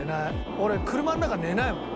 俺車の中寝ないもん」